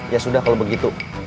ya sudah kalo begitu